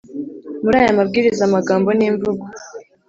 Muri aya Mabwiriza amagambo n imvugo